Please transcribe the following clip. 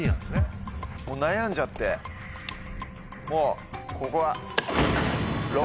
もう悩んじゃってもうここはＬＯＣＫ。